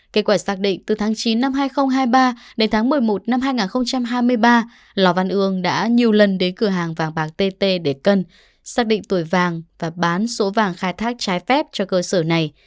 kết quả xác định từ tháng chín năm hai nghìn hai mươi ba đến tháng một mươi một năm hai nghìn hai mươi ba lò văn ương đã nhiều lần đến cửa hàng vàng bạc tt để cân xác định tuổi vàng và bán số vàng khai thác trái phép cho cơ sở này